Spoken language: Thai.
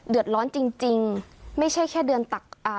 ร้อนจริงจริงไม่ใช่แค่เดือนตักอ่า